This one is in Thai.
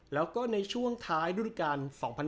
แล้วก็ในช่วงท้ายด้วยการ